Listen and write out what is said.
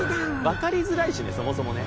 わかりづらいしねそもそもね。